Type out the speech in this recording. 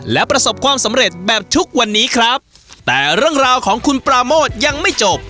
และประสบความสำเร็จแบบทุกวันนี้ครับแต่เรื่องราวของคุณปราโมทยังไม่จบ